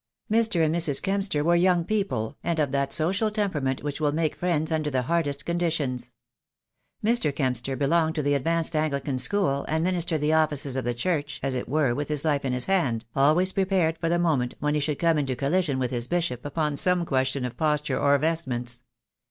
Mr. and Mrs. Kempster were young people, and of that social temperament which will make friends under the hardest conditions. Mr. Kempster belonged to the advanced Anglican school, and ministered the offices of the Church as it were with his life in his hand, always prepared for the moment when he should come into collision with his Bishop upon some question of posture or vestments.